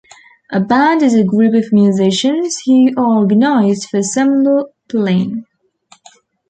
A band is a group of musicians who are organized for ensemble playing.